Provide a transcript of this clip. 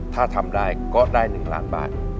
ถ้าทำได้ก็ได้๑ล้านบาท